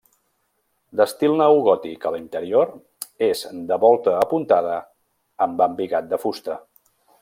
D'estil neogòtic a l'interior és de volta apuntada amb embigat de fusta.